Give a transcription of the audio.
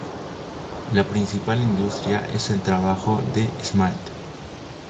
La principal industria es el trabajo de esmalte.